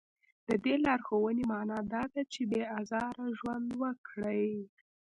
د دې لارښوونې معنا دا ده چې بې ازاره ژوند وکړي.